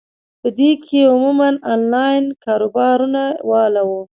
پۀ دې کښې عموماً انلائن کاروبارونو واله ،